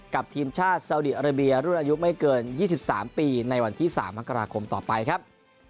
ทีมชาติซาวดีอาราเบียรุ่นอายุไม่เกิน๒๓ปีในวันที่๓มกราคมต่อไปครับ